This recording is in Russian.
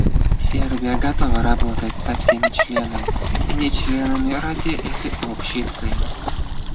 Сербия готова работать со всеми членами и нечленами ради этой общей цели.